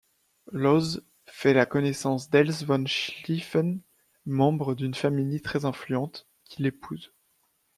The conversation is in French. Lohse fait la connaissance d'Else von Schlieffen, membre d'une famille très influente, qu'il épouse.